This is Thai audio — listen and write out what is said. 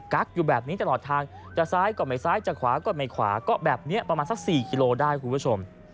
กั๊กอยู่แบบนี้ตลอดทางจากซ้ายกลับไปซ้ายจากขวากลับไปขวาก็แบบนี้ประมาณสัก๔กิโลได้ครับคุณผู้ชม